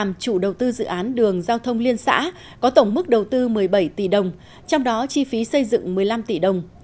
công ty trách nhiệm hữu hạn pactra việt nam nộp phí sử dụng đường giao thông liên xã có tổng mức đầu tư một mươi bảy tỷ đồng trong đó chi phí xây dựng một mươi năm tỷ đồng